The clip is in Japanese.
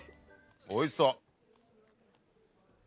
おいしそう。